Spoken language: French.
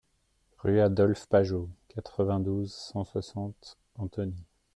Rue Adolphe Pajeaud, quatre-vingt-douze, cent soixante Antony